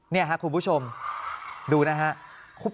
นี่ครับคุณผู้ชมดูนะครับ